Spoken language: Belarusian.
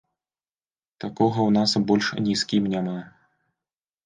Такога ў нас больш ні з кім няма.